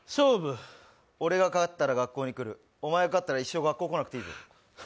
俺が勝ったら学校に来るお前が勝ったら一生学校に来なくていいぞ。